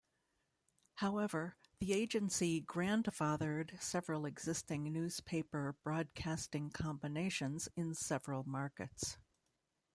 However, the agency "grandfathered" several existing newspaper-broadcasting combinations in several markets.